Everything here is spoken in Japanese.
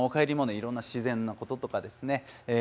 いろんな自然なこととかですねえ